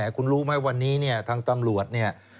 คุณรู้ไหมวันนี้ทั้งตำรวจ